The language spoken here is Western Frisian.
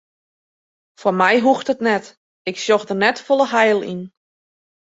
Foar my hoecht it net, ik sjoch der net folle heil yn.